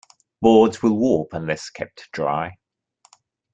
Boards will warp unless kept dry.